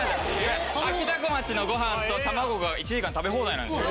あきたこまちのご飯と卵が１時間食べ放題なんですよ。